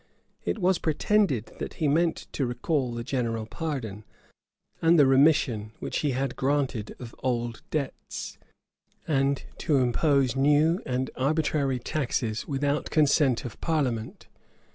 It was pretended that he meant to recall the general pardon, and the remission which he had granted of old debts, and to impose new and arbitrary taxes without consent of parliament.